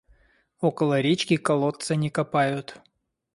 Около речки колодца не копают.